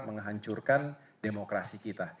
menghancurkan demokrasi kita